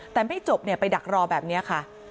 แต่ไม่จบไปดักรอแบบนี้ค่ะ